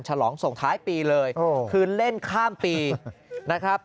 ฉลองส่งท้ายปีเลยคือเล่นข้ามปีนะครับ